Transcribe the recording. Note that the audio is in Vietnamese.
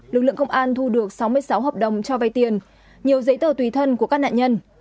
lực lượng công an thu được sáu mươi sáu hợp đồng cho vay tiền nhiều giấy tờ tùy thân của các nạn nhân